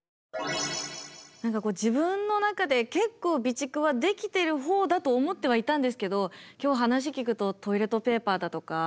何かこう自分の中で結構備蓄はできてるほうだと思ってはいたんですけど今日話聞くとトイレットペーパーだとか